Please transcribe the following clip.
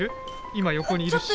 今横にいるし。